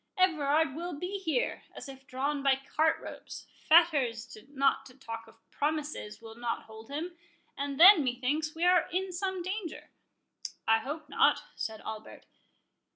—Everard will be here, as if drawn by cart ropes— fetters, not to talk of promises, will not hold him—and then, methinks, we are in some danger." "I hope not," said Albert.